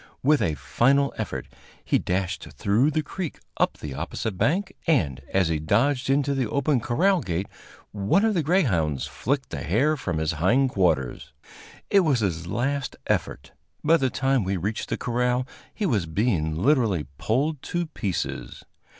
With a final effort he dashed through the creek up the opposite bank, and, as he dodged into the open corral gate, one of the greyhounds flicked the hair from his hind quarters. It was his last effort. By the time we reached the corral, he was being literally pulled to pieces.